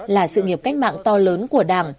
là sự nghiệp cách mạng to lớn của đảng